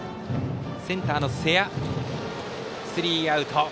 センターの瀬谷がつかんでスリーアウト。